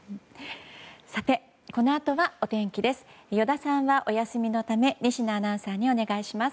さて、このあとはお天気です。